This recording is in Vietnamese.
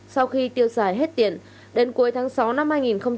sau khi tiêu xài hết tiền đến cuối tháng sáu năm hai nghìn hai mươi